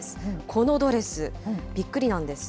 このドレス、びっくりなんです。